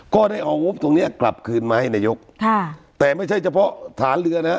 ก็ได้เอางบตรงเนี้ยกลับคืนมาให้นายกค่ะแต่ไม่ใช่เฉพาะฐานเรือนะฮะ